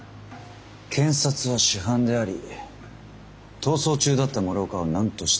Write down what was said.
検察は主犯であり逃走中だった諸岡を何としても逮捕立件したかった。